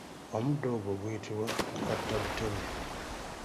Omuddo ogwo guyitibwa kattabuteme.